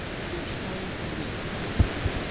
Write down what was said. D acu ay ken-iḥebsen?